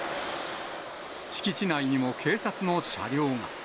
敷地内にも警察の車両が。